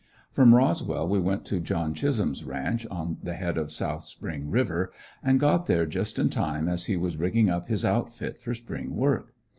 From Roswell we went to John Chisholm's ranch on the head of South Spring River; and got there just in time as he was rigging up his outfit for spring work.